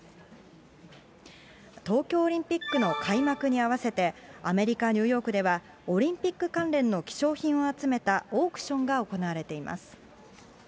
東京オリンピックの開幕に合わせて、アメリカ・ニューヨークでは、オリンピック関連の希少品を集めたオークションが行われています。